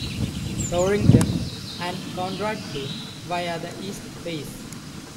Thorington, and Conrad Kain, via the East Face.